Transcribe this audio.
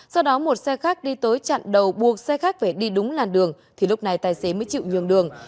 sau đó một xe khách đi tới chặn đầu buộc xe khách phải đi đúng làn đường thì lúc này tài xế mới chịu nhường đường